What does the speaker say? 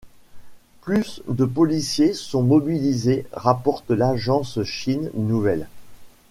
Plus de policiers sont mobilisés, rapporte l’agence Chine nouvelle.